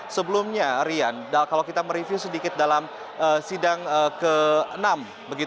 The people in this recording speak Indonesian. sebelumnya rian kalau kita mereview sedikit dalam sidang ke enam